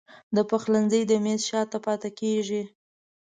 د پخلنځي د میز شاته پاته کیږې